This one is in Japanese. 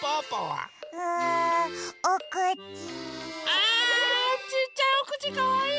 あちっちゃいおくちかわいい！